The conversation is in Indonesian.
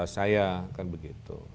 saya kan begitu